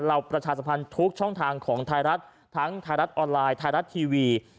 ประชาสัมพันธ์ทุกช่องทางของไทยรัฐทั้งไทยรัฐออนไลน์ไทยรัฐทีวี